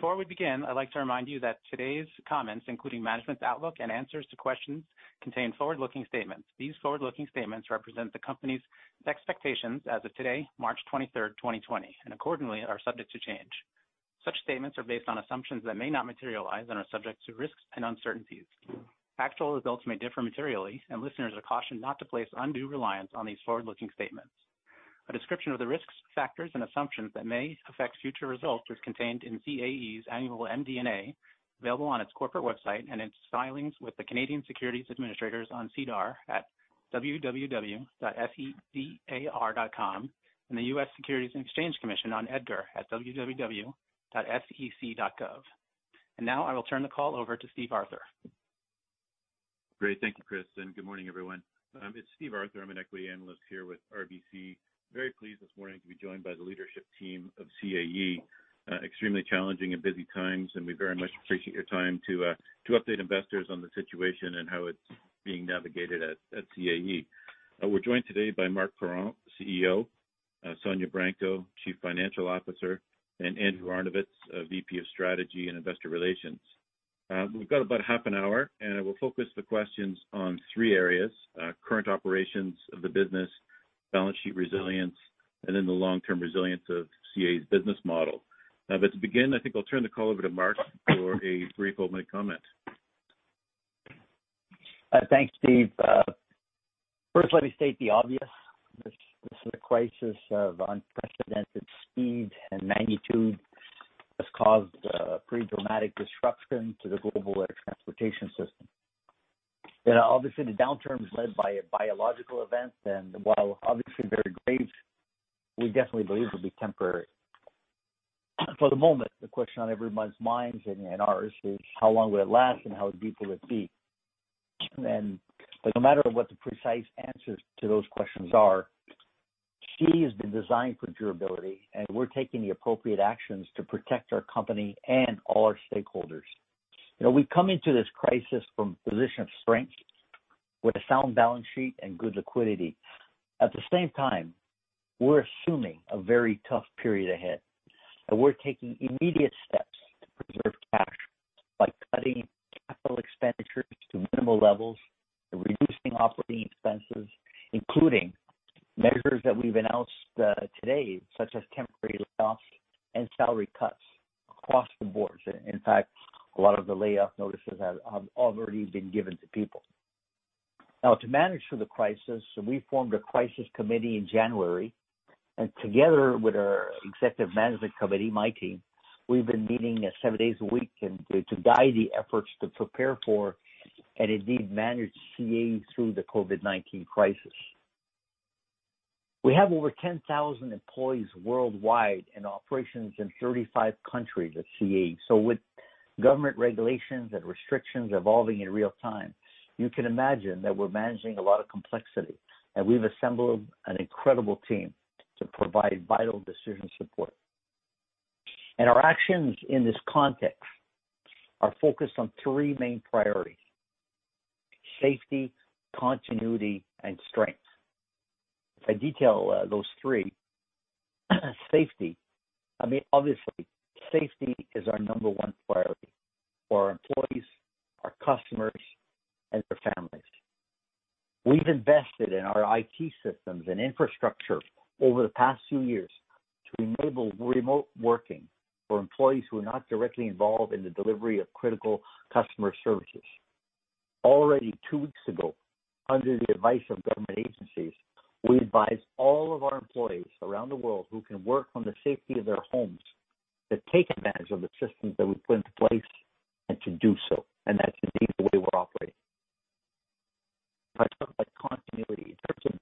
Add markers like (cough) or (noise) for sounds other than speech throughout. Before we begin, I'd like to remind you that today's comments, including management's outlook and answers to questions, contain forward-looking statements. These forward-looking statements represent the company's expectations as of today, March 23rd, 2020, and accordingly are subject to change. Such statements are based on assumptions that may not materialize and are subject to risks and uncertainties. Actual results may differ materially, and listeners are cautioned not to place undue reliance on these forward-looking statements. A description of the risks, factors, and assumptions that may affect future results is contained in CAE's annual MD&A, available on its corporate website and in its filings with the Canadian Securities Administrators on SEDAR at www.sedar.com, and the U.S. Securities and Exchange Commission on EDGAR at www.sec.gov. Now I will turn the call over to Steve Arthur. Great. Thank you, Chris, good morning, everyone. It's Steve Arthur. I'm an equity analyst here with RBC. Very pleased this morning to be joined by the leadership team of CAE. Extremely challenging and busy times, we very much appreciate your time to update investors on the situation and how it's being navigated at CAE. We're joined today by Marc Parent, CEO, Sonya Branco, Chief Financial Officer, and Andrew Arnovitz, VP of Strategy and Investor Relations. We've got about half an hour, I will focus the questions on three areas. Current operations of the business, balance sheet resilience, the long-term resilience of CAE's business model. To begin, I think I'll turn the call over to Marc for a brief opening comment. Thanks, Steve. First, let me state the obvious. This is a crisis of unprecedented speed and magnitude that's caused a pretty dramatic disruption to the global air transportation system. Obviously, the downturn was led by a biological event, and while obviously very grave, we definitely believe it will be temporary. For the moment, the question on everyone's minds and ours is how long will it last and how deep will it be? No matter what the precise answers to those questions are, CAE has been designed for durability, and we're taking the appropriate actions to protect our company and all our stakeholders. We come into this crisis from a position of strength with a sound balance sheet and good liquidity. At the same time, we're assuming a very tough period ahead, and we're taking immediate steps to preserve cash by cutting capital expenditures to minimal levels and reducing operating expenses, including measures that we've announced today, such as temporary layoffs and salary cuts across the board. In fact, a lot of the layoff notices have already been given to people. Now, to manage through the crisis, we formed a crisis committee in January, and together with our executive management committee, my team, we've been meeting seven days a week to guide the efforts to prepare for, and indeed manage CAE through the COVID-19 crisis. We have over 10,000 employees worldwide and operations in 35 countries at CAE. With government regulations and restrictions evolving in real time, you can imagine that we're managing a lot of complexity, and we've assembled an incredible team to provide vital decision support. Our actions in this context are focused on three main priorities. Safety, continuity, and strength. If I detail those three, safety. Obviously, safety is our number one priority for our employees, our customers, and their families. We've invested in our IT systems and infrastructure over the past few years to enable remote working for employees who are not directly involved in the delivery of critical customer services. Already two weeks ago, under the advice of government agencies, we advised all of our employees around the world who can work from the safety of their homes to take advantage of the systems that we put into place, and to do so. That indeed is the way we're operating. If I talk about continuity in terms of business continuity,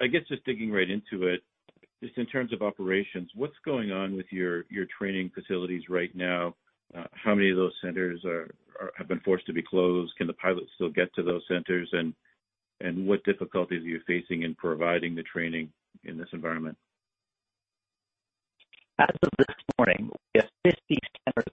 I guess just digging right into it, just in terms of operations, what's going on with your training facilities right now? How many of those centers have been forced to be closed? Can the pilots still get to those centers? What difficulties are you facing in providing the training in this environment? As of this morning, we have 50 centers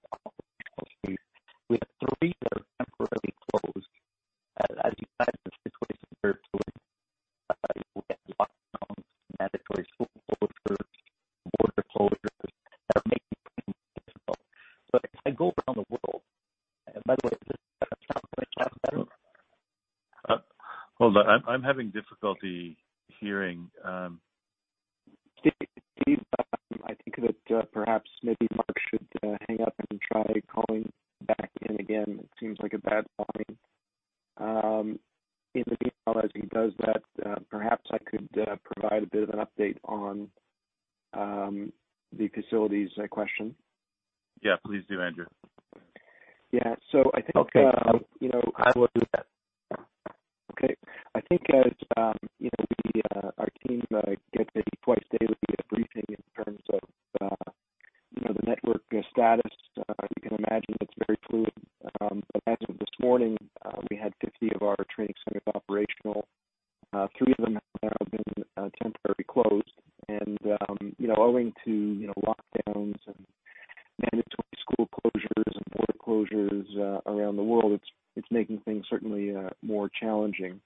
operational, Steve. We have three that are temporarily closed. (audio distortion) Hold on. I'm having difficulty hearing. Steve, I think that perhaps maybe Marc should hang up and try calling back in again. It seems like a bad line. In the meanwhile, as he does that, perhaps I could provide a bit of an update on the facilities question. Yeah, please do, Andrew. Yeah. Okay. I will do that. Okay. I think as our team gets a twice-daily briefing in terms of the network status, you can imagine it's very fluid. As of this morning, we had 50 of our training centers operational. Three of them have been temporarily closed and owing to lockdowns and mandatory school closures and border closures around the world, it's making things certainly more challenging.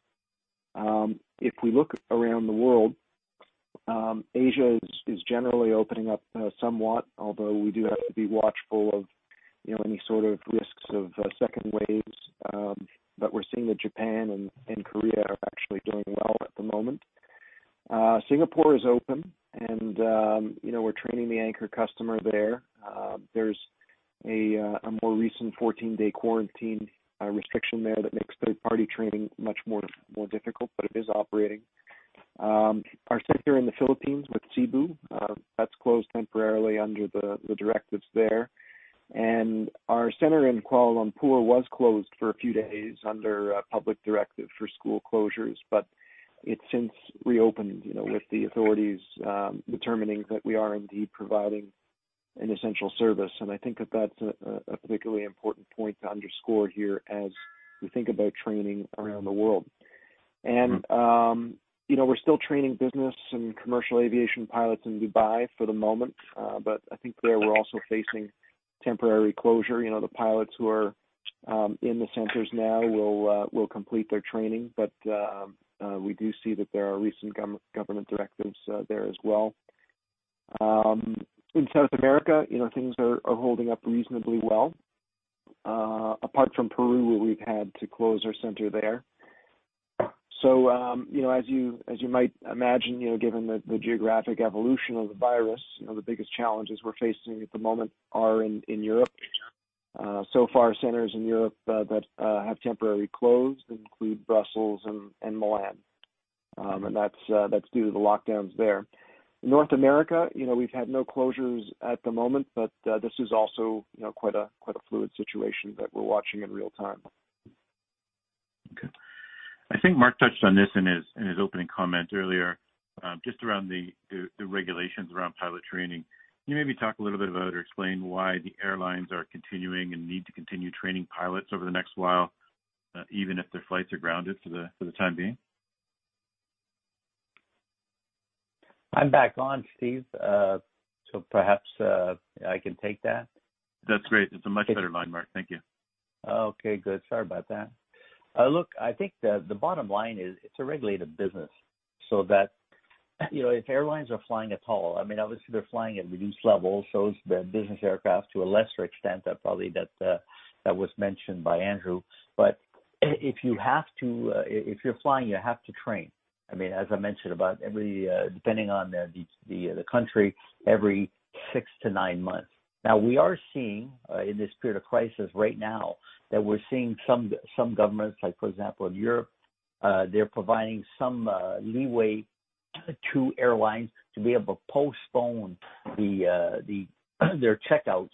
We look around the world, Asia is generally opening up somewhat, although we do have to be watchful of any sort of risks of second waves. We're seeing that Japan and Korea are actually doing well at the moment. Singapore is open, and we're training the anchor customer there. There's a more recent 14-day quarantine restriction there that makes third-party training much more difficult, but it is operating. Our center in the Philippines with Cebu, that's closed temporarily under the directives there. Our center in Kuala Lumpur was closed for a few days under a public directive for school closures, but it since reopened, with the authorities determining that we are indeed providing an essential service. I think that that's a particularly important point to underscore here as we think about training around the world. We're still training business and commercial aviation pilots in Dubai for the moment. I think there we're also facing temporary closure. The pilots who are in the centers now will complete their training, but we do see that there are recent government directives there as well. In South America, things are holding up reasonably well, apart from Peru, where we've had to close our center there. As you might imagine, given the geographic evolution of the virus, the biggest challenges we're facing at the moment are in Europe. So far, centers in Europe that have temporarily closed include Brussels and Milan, and that's due to the lockdowns there. In North America, we've had no closures at the moment, but this is also quite a fluid situation that we're watching in real time. Okay. I think Marc touched on this in his opening comment earlier, just around the regulations around pilot training. Can you maybe talk a little bit about or explain why the airlines are continuing and need to continue training pilots over the next while, even if their flights are grounded for the time being? I'm back on, Steve, so perhaps I can take that. That's great. It's a much better line, Marc. Thank you. Okay, good. Sorry about that. I think the bottom line is it's a regulated business that if airlines are flying at all, obviously they're flying at reduced levels. Is the business aircraft to a lesser extent, probably that was mentioned by Andrew. If you're flying, you have to train. As I mentioned, depending on the country, every six to nine months. We are seeing in this period of crisis right now that we're seeing some governments, like for example, in Europe, they're providing some leeway to airlines to be able to postpone their checkouts,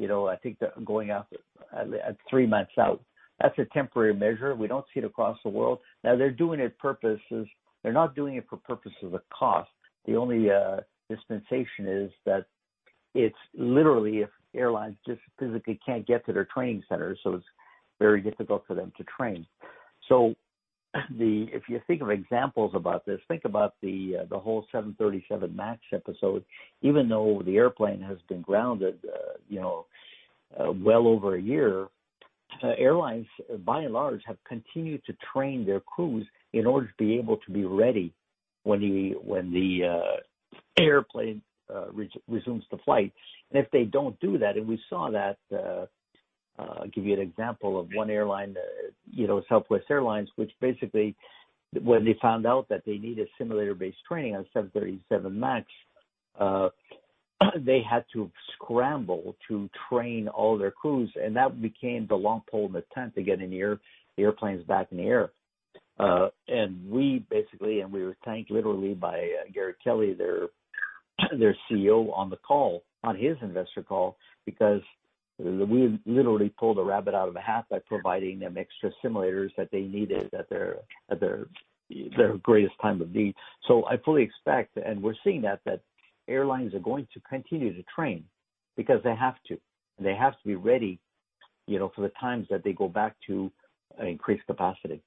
I think going out at three months out. That's a temporary measure. We don't see it across the world. They're not doing it for purposes of cost. The only dispensation is that it's literally, airlines just physically can't get to their training centers, so it's very difficult for them to train. If you think of examples about this, think about the whole 737 MAX episode. Even though the airplane has been grounded well over a year, airlines, by and large, have continued to train their crews in order to be able to be ready when the airplane resumes the flight. If they don't do that, and we saw that, I'll give you an example of one airline, Southwest Airlines, which basically, when they found out that they needed simulator-based training on 737 MAX, they had to scramble to train all their crews, and that became the long pole in the tent to getting the airplanes back in the air. We were thanked literally by Gary Kelly, their CEO, on the call, on his investor call, because we literally pulled a rabbit out of a hat by providing them extra simulators that they needed at their greatest time of need. I fully expect, and we're seeing that airlines are going to continue to train because they have to, and they have to be ready for the times that they go back to increased capacity.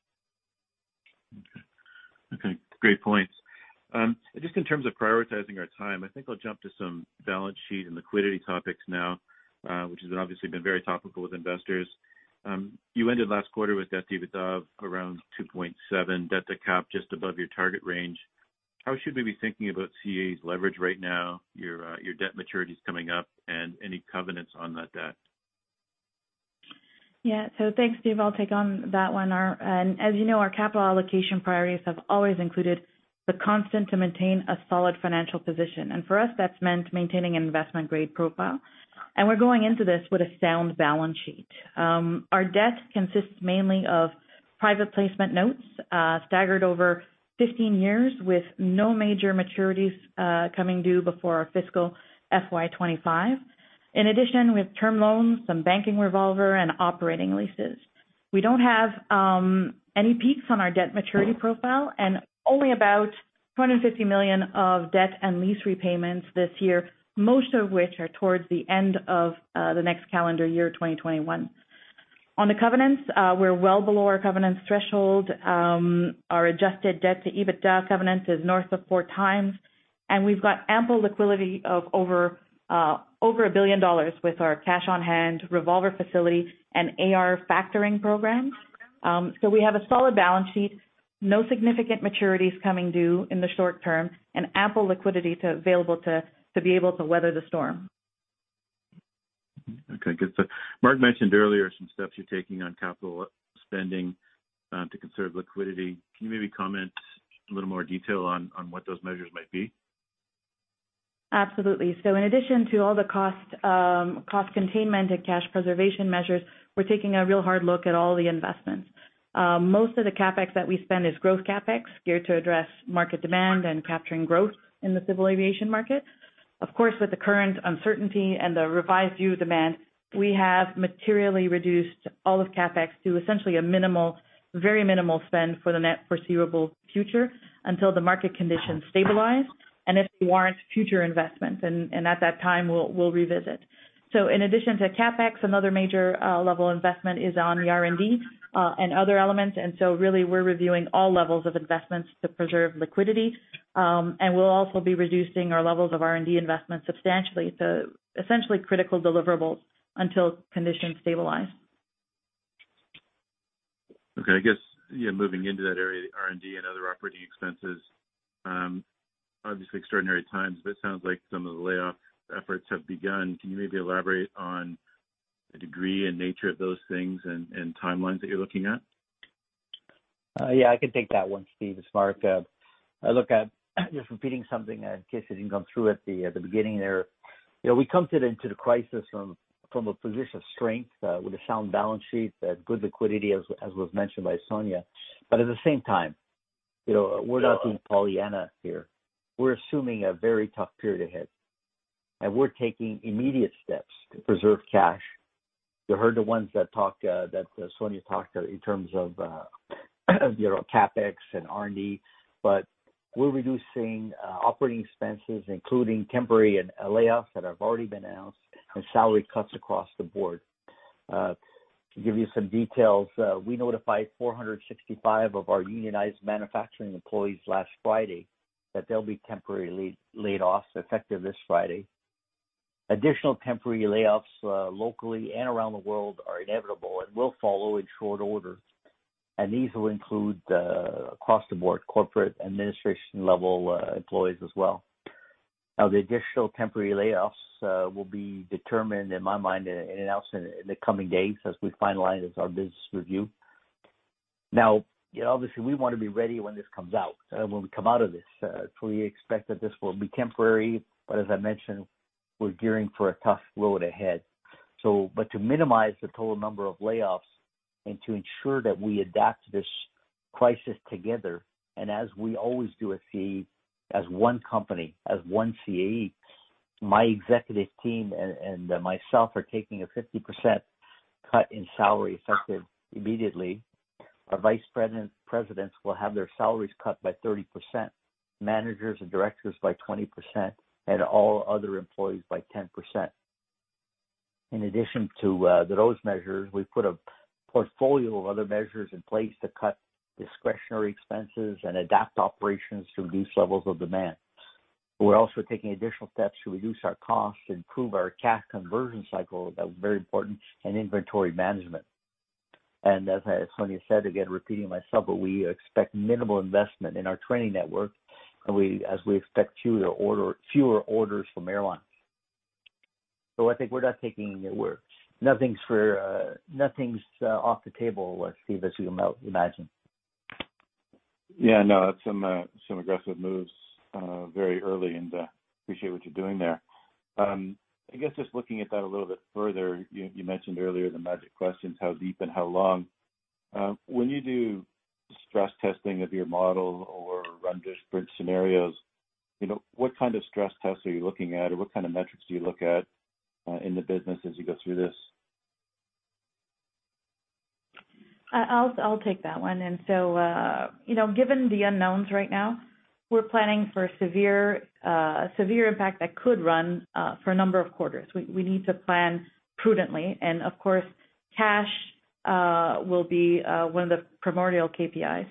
Okay. Great points. Just in terms of prioritizing our time, I think I'll jump to some balance sheet and liquidity topics now, which has obviously been very topical with investors. You ended last quarter with debt-to-EBITDA of around 2.7, debt to cap just above your target range. How should we be thinking about CAE's leverage right now, your debt maturities coming up and any covenants on that debt? Thanks, Steve. I'll take on that one. As you know, our capital allocation priorities have always included the constant to maintain a solid financial position. For us, that's meant maintaining an investment-grade profile. We're going into this with a sound balance sheet. Our debt consists mainly of private placement notes, staggered over 15 years, with no major maturities coming due before our fiscal FY 2025. In addition, we have term loans, some banking revolver, and operating leases. We don't have any peaks on our debt maturity profile and only about 250 million of debt and lease repayments this year, most of which are towards the end of the next calendar year, 2021. On the covenants, we're well below our covenants threshold. Our adjusted debt-to-EBITDA covenants is north of four times, and we've got ample liquidity of over 1 billion dollars with our cash on hand, revolver facility, and AR factoring programs. We have a solid balance sheet, no significant maturities coming due in the short term, and ample liquidity available to be able to weather the storm. Okay, good. Marc mentioned earlier some steps you're taking on capital spending to conserve liquidity. Can you maybe comment a little more detail on what those measures might be? Absolutely. In addition to all the cost containment and cash preservation measures, we're taking a real hard look at all the investments. Most of the CapEx that we spend is growth CapEx geared to address market demand and capturing growth in the civil aviation market. Of course, with the current uncertainty and the revised view demand, we have materially reduced all of CapEx to essentially a very minimal spend for the net foreseeable future until the market conditions stabilize and if it warrants future investments. At that time, we'll revisit. In addition to CapEx, another major level investment is on the R&D, and other elements. Really, we're reviewing all levels of investments to preserve liquidity. We'll also be reducing our levels of R&D investment substantially to essentially critical deliverables until conditions stabilize. Okay. I guess, yeah, moving into that area, the R&D and other operating expenses, obviously extraordinary times, but it sounds like some of the layoff efforts have begun. Can you maybe elaborate on the degree and nature of those things and timelines that you're looking at? Yeah, I can take that one, Steve. It's Marc. Just repeating something in case you didn't go through at the beginning there. We come into the crisis from a position of strength with a sound balance sheet, good liquidity, as was mentioned by Sonya. At the same time, we're not being Pollyanna here. We're assuming a very tough period ahead, and we're taking immediate steps to preserve cash. You heard the ones that Sonya talked in terms of CapEx and R&D. We're reducing operating expenses, including temporary layoffs that have already been announced and salary cuts across the board. To give you some details, we notified 465 of our unionized manufacturing employees last Friday that they'll be temporarily laid off, effective this Friday. Additional temporary layoffs locally and around the world are inevitable and will follow in short order. These will include across the board corporate administration-level employees as well. The additional temporary layoffs will be determined, in my mind, and announced in the coming days as we finalize our business review. Obviously, we want to be ready when this comes out, when we come out of this. We expect that this will be temporary, but as I mentioned, we're gearing for a tough road ahead. To minimize the total number of layoffs and to ensure that we adapt to this crisis together, and as we always do at CAE, as one company, as one CAE, my executive team and myself are taking a 50% cut in salary effective immediately. Our vice presidents will have their salaries cut by 30%, managers and directors by 20%, and all other employees by 10%. In addition to those measures, we've put a portfolio of other measures in place to cut discretionary expenses and adapt operations to reduce levels of demand. We're also taking additional steps to reduce our costs, improve our cash conversion cycle, that's very important, and inventory management. As Sonya said, again, repeating myself, but we expect minimal investment in our training network as we expect fewer orders from airlines. I think nothing's off the table, Steve, as you can imagine. Yeah, I know. That's some aggressive moves very early, and appreciate what you're doing there. I guess just looking at that a little bit further, you mentioned earlier the magic questions, how deep and how long. When you do stress testing of your model or run different scenarios, what kind of stress tests are you looking at, or what kind of metrics do you look at in the business as you go through this? I'll take that one. Given the unknowns right now, we're planning for a severe impact that could run for a number of quarters. We need to plan prudently. Of course, cash will be one of the primordial KPIs.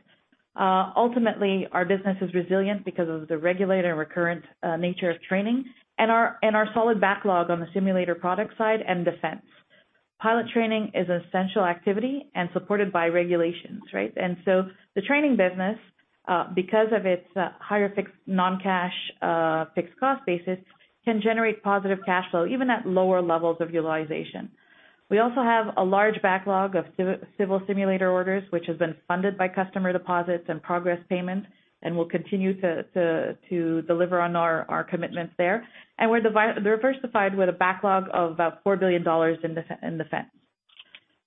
Ultimately, our business is resilient because of the regulated and recurrent nature of training and our solid backlog on the simulator product side and defense. Pilot training is an essential activity and supported by regulations, right? The training business, because of its higher non-cash fixed cost basis, can generate positive cash flow, even at lower levels of utilization. We also have a large backlog of civil simulator orders, which has been funded by customer deposits and progress payments, and we'll continue to deliver on our commitments there. We're diversified with a backlog of about 4 billion dollars in defense.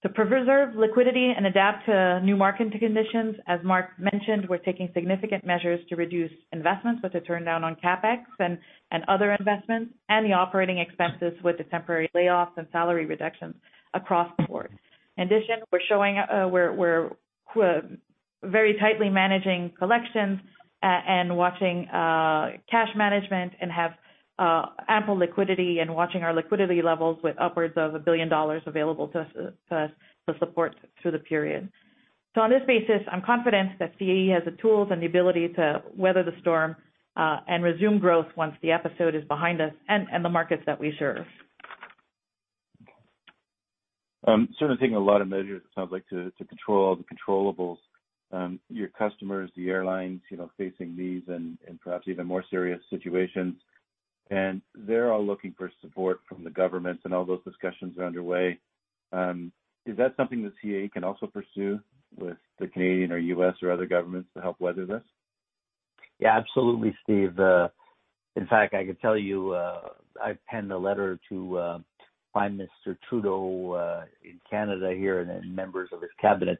To preserve liquidity and adapt to new market conditions, as Marc mentioned, we're taking significant measures to reduce investments with a turndown on CapEx and other investments and the operating expenses with the temporary layoffs and salary reductions across the board. In addition, we're very tightly managing collections and watching cash management and have ample liquidity and watching our liquidity levels with upwards of 1 billion dollars available to us to support through the period. On this basis, I'm confident that CAE has the tools and the ability to weather the storm and resume growth once the episode is behind us and the markets that we serve. Certainly taking a lot of measures, it sounds like, to control all the controllables. Your customers, the airlines, facing these and perhaps even more serious situations, and they're all looking for support from the governments, and all those discussions are underway. Is that something that CAE can also pursue with the Canadian or U.S. or other governments to help weather this? Yeah, absolutely, Steve. In fact, I can tell you I penned a letter to Prime Minister Trudeau in Canada here and members of his cabinet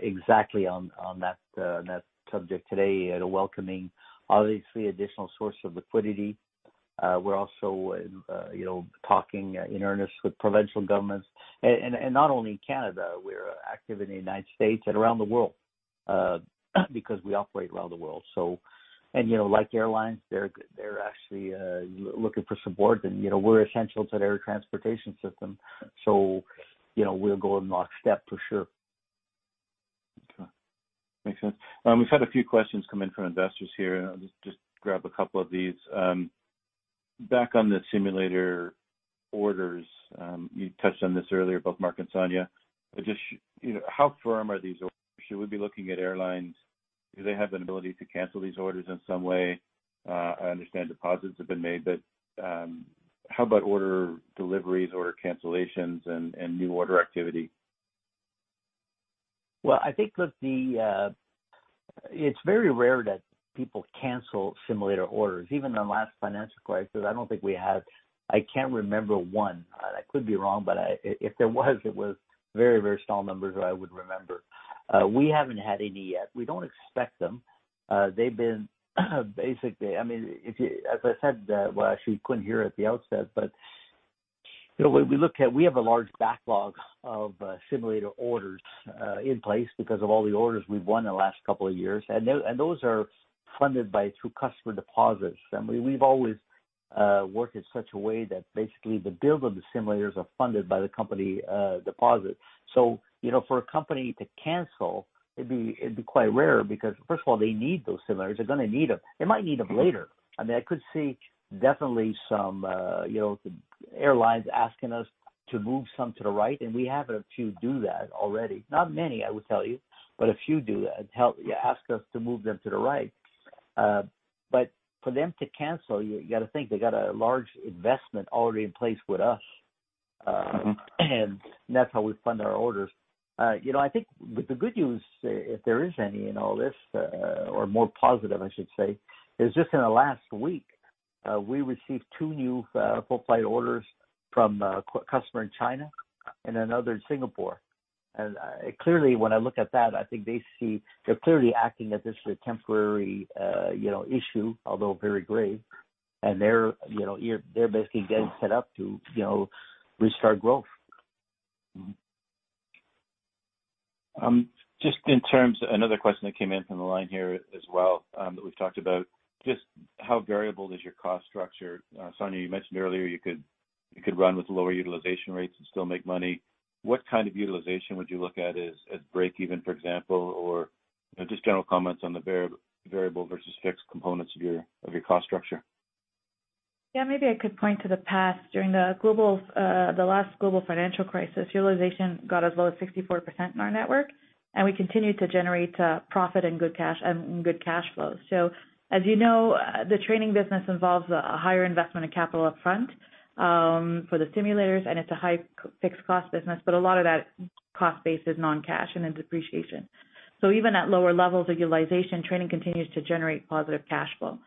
exactly on that subject today, welcoming, obviously, additional source of liquidity. We're also talking in earnest with provincial governments. Not only in Canada, we're active in the United States and around the world, because we operate around the world. Like airlines, they're actually looking for support, and we're essential to their transportation system. We'll go in lockstep, for sure. Okay. Makes sense. We've had a few questions come in from investors here, and I'll just grab a couple of these. Back on the simulator orders, you touched on this earlier, both Marc and Sonya. How firm are these orders? Should we be looking at airlines? Do they have an ability to cancel these orders in some way? I understand deposits have been made, but how about order deliveries, order cancellations, and new order activity? I think it's very rare that people cancel simulator orders. Even in the last financial crisis, I can't remember one. I could be wrong, but if there was, it was very small numbers, or I would remember. We haven't had any yet. We don't expect them. As I said, well, actually, you couldn't hear at the outset, but we have a large backlog of simulator orders in place because of all the orders we've won in the last couple of years, and those are funded through customer deposits. We've always worked in such a way that basically the build of the simulators are funded by the company deposit. For a company to cancel, it'd be quite rare because, first of all, they need those simulators. They're going to need them. They might need them later. I could see definitely some airlines asking us to move some to the right, and we have a few do that already. Not many, I will tell you, but a few do ask us to move them to the right. For them to cancel, you got to think, they got a large investment already in place with us, and that's how we fund our orders. I think the good news, if there is any in all this, or more positive, I should say, is just in the last week, we received two new full-flight orders from a customer in China and another in Singapore. Clearly, when I look at that, they're clearly acting that this is a temporary issue, although very grave. They're basically getting set up to restart growth. Mm-hmm. Just in terms, another question that came in from the line here as well, that we've talked about, just how variable is your cost structure? Sonya, you mentioned earlier you could run with lower utilization rates and still make money. What kind of utilization would you look at as break-even, for example, or just general comments on the variable versus fixed components of your cost structure? Yeah. Maybe I could point to the past. During the last global financial crisis, utilization got as low as 64% in our network, and we continued to generate profit and good cash flows. As you know, the training business involves a higher investment of capital up front for the simulators, and it's a high fixed cost business, but a lot of that cost base is non-cash and in depreciation. Even at lower levels of utilization, training continues to generate positive cash flow.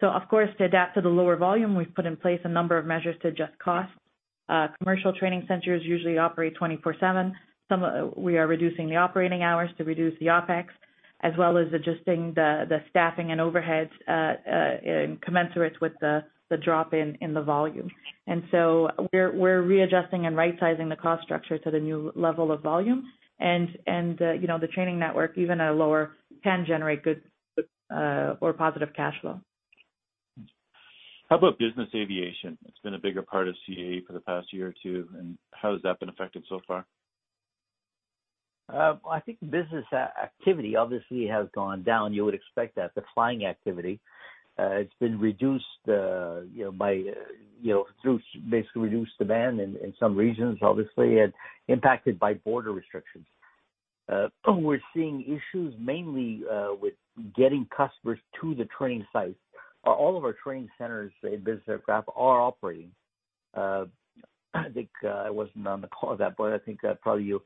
Of course, to adapt to the lower volume, we've put in place a number of measures to adjust costs. Commercial training centers usually operate 24/7. We are reducing the operating hours to reduce the OpEx, as well as adjusting the staffing and overheads commensurate with the drop in the volume. We're readjusting and right-sizing the cost structure to the new level of volume, and the training network, even at a lower, can generate good or positive cash flow. How about business aviation? It's been a bigger part of CAE for the past year or two, and how has that been affected so far? I think business activity obviously has gone down. You would expect that. The flying activity, it's been reduced through basically reduced demand in some regions, obviously, and impacted by border restrictions. We're seeing issues mainly with getting customers to the training sites. All of our training centers in business aircraft are operating. I think I wasn't on the call that, but I think probably you,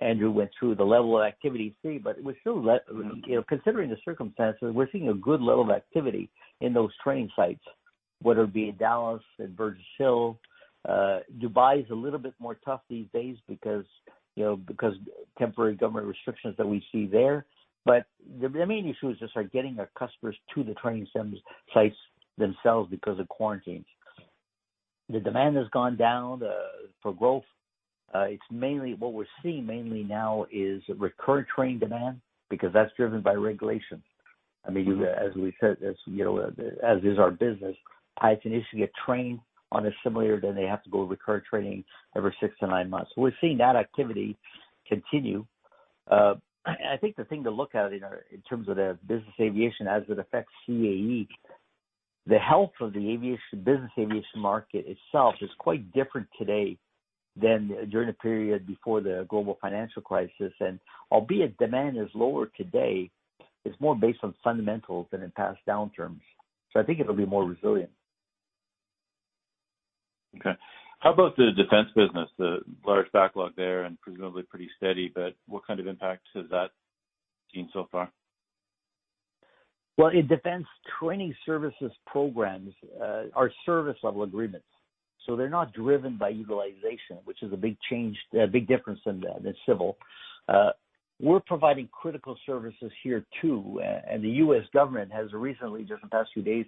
Andrew, went through the level of activity you see, but considering the circumstances, we're seeing a good level of activity in those training sites, whether it be in Dallas, in Burgess Hill. Dubai is a little bit more tough these days because temporary government restrictions that we see there. The main issue is just getting our customers to the training centers sites themselves because of quarantines. The demand has gone down for growth. What we're seeing mainly now is recurrent training demand, because that's driven by regulation. As we said, as is our business, pilots initially get trained on a simulator, then they have to go recurrent training every six to nine months. We're seeing that activity continue. I think the thing to look at in terms of the business aviation as it affects CAE, the health of the business aviation market itself is quite different today than during the period before the global financial crisis, and albeit demand is lower today, it's more based on fundamentals than in past downturns. I think it'll be more resilient. How about the defense business? The large backlog there and presumably pretty steady, but what kind of impact has that seen so far? Well, in defense, training services programs are service level agreements, so they're not driven by utilization, which is a big difference than civil. We're providing critical services here too, and the U.S. government has just in the past few days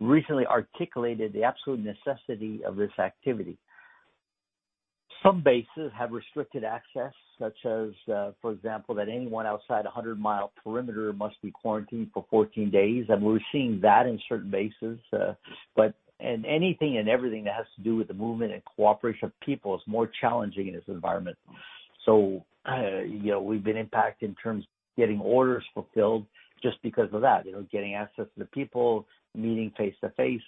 recently articulated the absolute necessity of this activity. Some bases have restricted access, such as, for example, that anyone outside 100-mile perimeter must be quarantined for 14 days, and we're seeing that in certain bases. Anything and everything that has to do with the movement and cooperation of people is more challenging in this environment. We've been impacted in terms of getting orders fulfilled just because of that, getting access to the people, meeting face-to-face.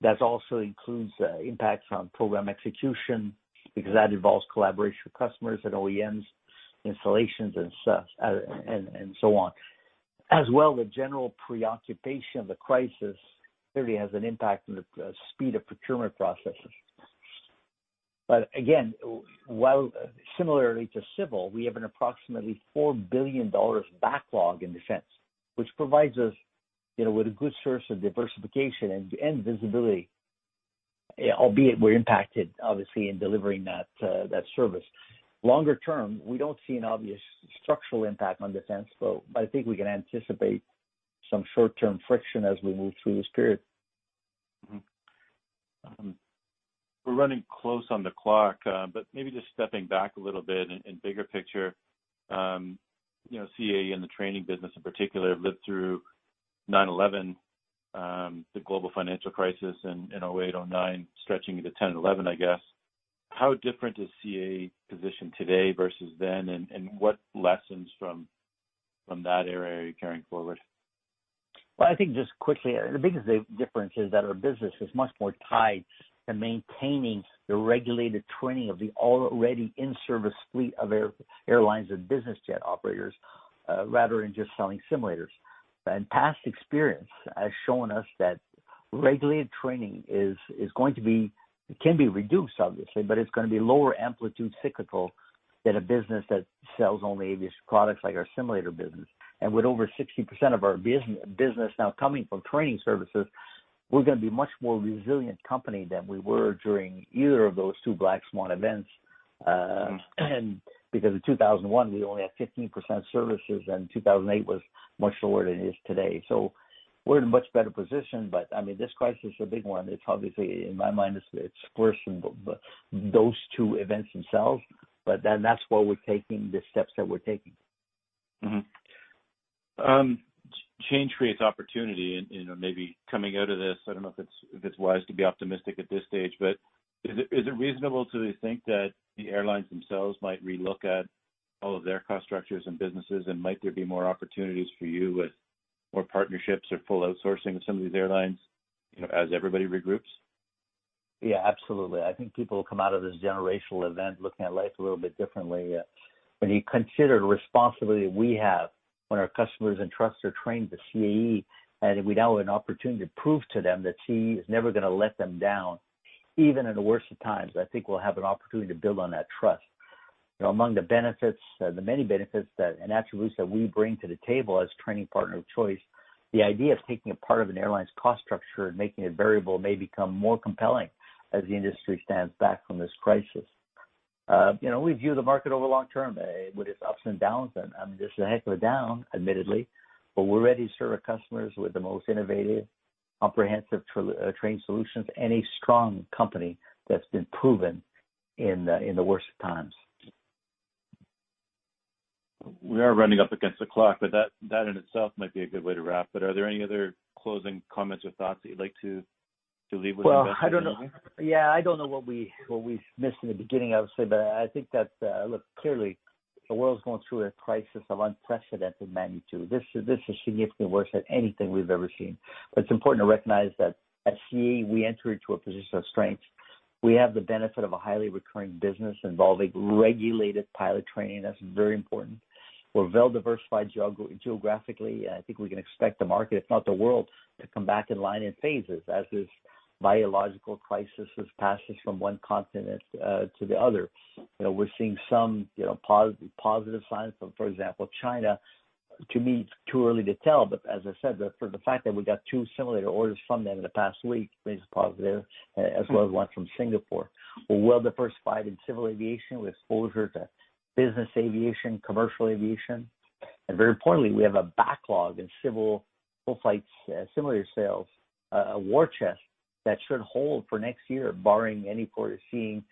That also includes impacts on program execution because that involves collaboration with customers and OEMs, installations and so on. The general preoccupation of the crisis clearly has an impact on the speed of procurement processes. Again, similarly to civil, we have an approximately 4 billion dollars backlog in defense, which provides us with a good source of diversification and visibility, albeit we're impacted obviously in delivering that service. Longer term, we don't see an obvious structural impact on defense, I think we can anticipate some short-term friction as we move through this period. We're running close on the clock, but maybe just stepping back a little bit and bigger picture, CAE and the training business in particular lived through 9/11, the global financial crisis in 2008, 2009, stretching into 2010 and 2011, I guess. How different is CAE positioned today versus then, and what lessons from that era are you carrying forward? Well, I think just quickly, the biggest difference is that our business is much more tied to maintaining the regulated training of the already in-service fleet of airlines and business jet operators, rather than just selling simulators. Past experience has shown us that regulated training can be reduced, obviously, but it's going to be lower amplitude cyclical than a business that sells only aviation products like our simulator business. With over 60% of our business now coming from training services, we're going to be a much more resilient company than we were during either of those two black swan events. Because in 2001, we only had 15% services, and 2008 was much lower than it is today. We're in a much better position. This crisis is a big one. It's obviously, in my mind, it's worse than those two events themselves. That's why we're taking the steps that we're taking. Mm-hmm. Change creates opportunity. Maybe coming out of this, I don't know if it's wise to be optimistic at this stage, but is it reasonable to think that the airlines themselves might re-look at all of their cost structures and businesses? Might there be more opportunities for you with more partnerships or full outsourcing with some of these airlines, as everybody regroups? Yeah, absolutely. I think people will come out of this generational event looking at life a little bit differently. When you consider the responsibility that we have when our customers entrust or train with CAE, and we now have an opportunity to prove to them that CAE is never going to let them down, even in the worst of times. I think we'll have an opportunity to build on that trust. Among the many benefits and attributes that we bring to the table as training partner of choice, the idea of taking a part of an airline's cost structure and making it variable may become more compelling as the industry stands back from this crisis. We view the market over the long term, with its ups and downs. This is a heck of a down, admittedly, but we're ready to serve our customers with the most innovative, comprehensive training solutions, and a strong company that's been proven in the worst of times. We are running up against the clock, but that in itself might be a good way to wrap. Are there any other closing comments or thoughts that you'd like to leave with our investors? Yeah. I don't know what we missed in the beginning, obviously, I think that, look, clearly, the world's going through a crisis of unprecedented magnitude. This is significantly worse than anything we've ever seen. It's important to recognize that at CAE, we enter into a position of strength. We have the benefit of a highly recurring business involving regulated pilot training. That's very important. We're well-diversified geographically, and I think we can expect the market, if not the world, to come back in line in phases as this biological crisis has passed us from one continent to the other. We're seeing some positive signs from, for example, China. To me, it's too early to tell, as I said, for the fact that we got two simulator orders from them in the past week remains a positive, as well as one from Singapore. We're well-diversified in civil aviation with exposure to business aviation, commercial aviation, and very importantly, we have a backlog in civil full-flight simulator sales, a war chest that should hold for next year, barring any foreseen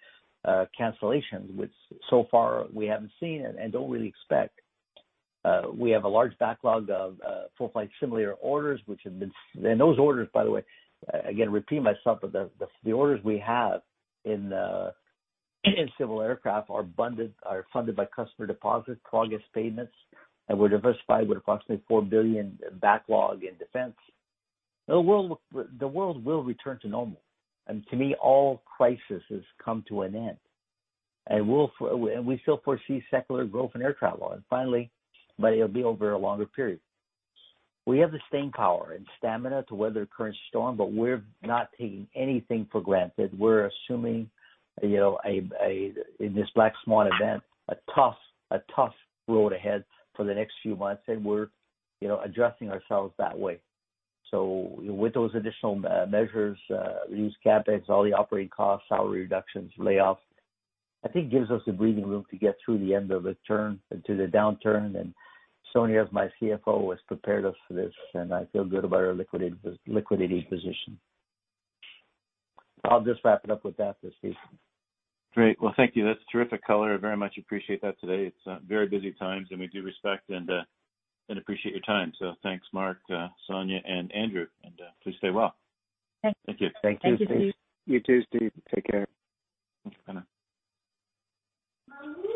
cancellations, which so far we haven't seen and don't really expect. We have a large backlog of full-flight simulator orders. Those orders, by the way, again, repeating myself, but the orders we have in civil aircraft are funded by customer deposit progress payments, and we're diversified with approximately 4 billion backlog in defense. The world will return to normal, and to me, all crises come to an end. We still foresee secular growth in air travel. Finally, it'll be over a longer period. We have the staying power and stamina to weather the current storm, but we're not taking anything for granted. We're assuming, in this black swan event, a tough road ahead for the next few months, and we're adjusting ourselves that way. With those additional measures, reduced CapEx, all the operating costs, salary reductions, layoffs, I think gives us the breathing room to get through the end of the turn, into the downturn, and Sonya, as my CFO, has prepared us for this, and I feel good about our liquidity position. I'll just wrap it up with that, Steve. Great. Well, thank you. That's terrific color. I very much appreciate that today. It's very busy times, and we do respect and appreciate your time. Thanks, Marc, Sonya, and Andrew, and please stay well. Thank you. Thank you, Steve. You too, Steve. Take care. Thanks. Bye now.